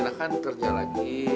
abah kan kerja lagi